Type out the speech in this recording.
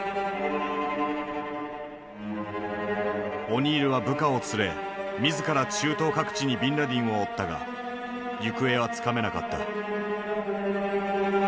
オニールは部下を連れ自ら中東各地にビンラディンを追ったが行方はつかめなかった。